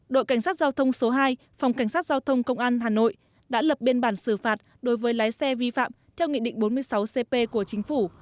đội cảnh sát giao thông số hai phòng cảnh sát giao thông công an hà nội đã lập biên bản xử phạt đối với lái xe vi phạm theo nghị định bốn mươi sáu cp của chính phủ